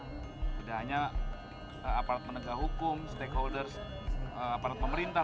makanya aparat penegak hukum stakeholders aparat pemerintah